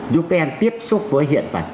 giúp các em tiếp xúc với hiện vật